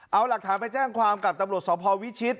เอาหลักฐานไปแจ้งความกับตำรวจสพวิชิต